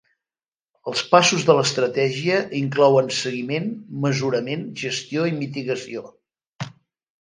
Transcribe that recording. Els passos de l'estratègia inclouen seguiment, mesurament, gestió i mitigació.